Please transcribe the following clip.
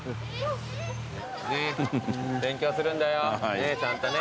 勉強するんだよねぇちゃんとね。